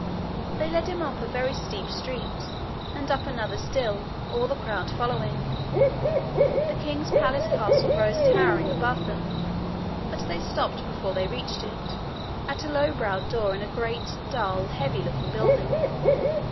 They led him up a very steep street, and up another still, all the crowd following. The king's palace castle rose towering above them; but they stopped before they reached it, at a low browed door in a great, dull, heavy looking building.